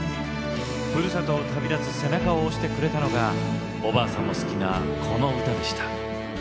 ふるさとを旅立つ背中を押してくれたのがおばあさんも好きなこの歌でした。